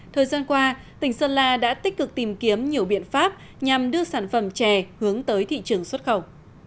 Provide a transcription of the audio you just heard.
thời gian qua tỉnh sơn la đã tích cực tìm kiếm nhiều biện pháp nhằm đưa sản phẩm chè hướng tới thị trường xuất khẩu